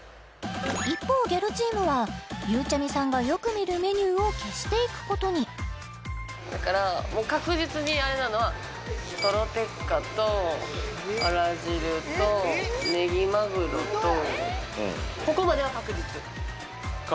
一方ギャルチームはゆうちゃみさんがよく見るメニューを消していくことにだからもう確実にあれなのはとろ鉄火とあら汁とねぎまぐろと確実？